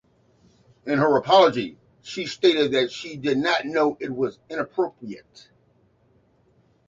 In her apology she stated that she did not know it was inappropriate.